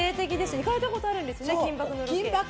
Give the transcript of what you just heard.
行かれたことあるんですよね「金バク！」。